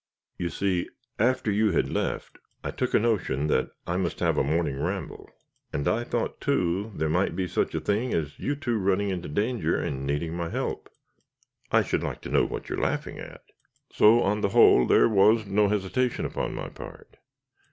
You see, after you had left, I took a notion that I must have a morning ramble; and I thought, too, there might be such a thing as you two running into danger and needing my help (I should like to know what you are laughing at). So, on the whole, there was no hesitation upon my part.